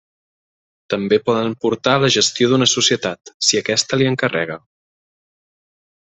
També poden portar la gestió d'una societat, si aquesta li encarrega.